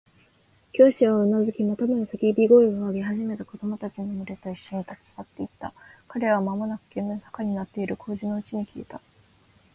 教師はうなずき、またもや叫び声を上げ始めた子供たちのむれといっしょに、立ち去っていった。彼らはまもなく急な坂になっている小路のうちに消えた。